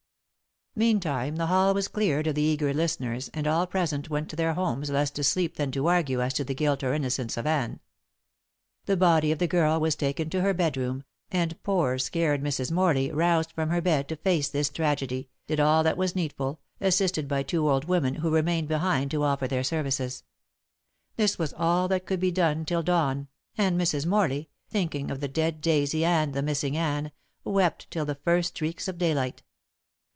Meantime the hall was cleared of the eager listeners, and all present went to their homes less to sleep than to argue as to the guilt or innocence of Anne. The body of the girl was taken to her bedroom, and poor scared Mrs. Morley, roused from her bed to face this tragedy, did all that was needful, assisted by two old women, who remained behind to offer their services. This was all that could be done till dawn, and Mrs. Morley, thinking of the dead Daisy and the missing Anne, wept till the first streaks of daylight.